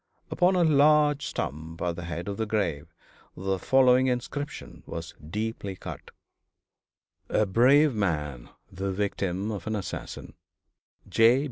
Upon a large stump at the head of the grave the following inscription was deeply cut: "A brave man; the victim of an assassin J.